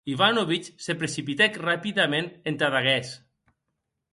Ivanovic, se precipitèc rapidament entad aguest.